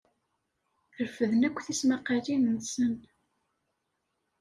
Refden akk tismaqqalin-nsen.